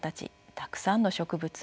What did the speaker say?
たくさんの植物